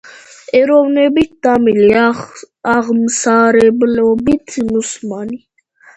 ეროვნებით ტამილი, აღმსარებლობით მუსლიმანი.